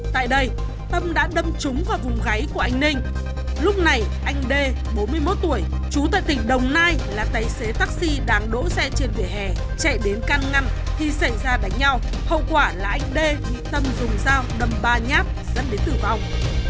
tại đây tâm đã đâm trúng vào vùng gáy của anh ninh lúc này anh đê bốn mươi một tuổi chú tại tỉnh đồng nai là tài xế taxi đang đỗ xe trên vỉa hè chạy đến can ngăn thì xảy ra đánh nhau hậu quả là anh đê tâm dùng dao đâm ba nhát dẫn đến tử vong